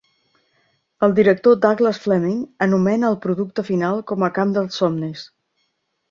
El director Douglas Fleming anomena al producte final com a camp dels somnis.